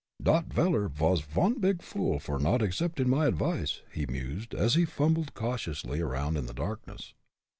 "Dot veller vas von big fool for not acceptin' my advice," he mused, as he fumbled cautiously around in the darkness.